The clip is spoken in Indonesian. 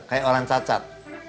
kayak orang cacat